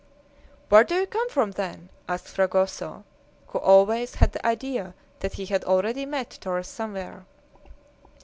"Where do you come from, then?" asked Fragoso, who always had the idea that he had already met Torres somewhere.